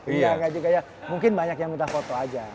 iya kayak mungkin banyak yang minta foto aja